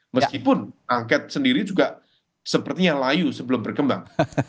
meskipun angket sendiri juga sepertinya layu sebelum berkembang